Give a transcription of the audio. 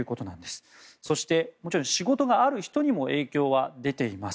そしてもちろん仕事がある人にも影響は出ています。